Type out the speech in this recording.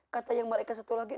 kata yang mereka satu lagi